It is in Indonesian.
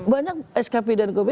banyak skpd dan kb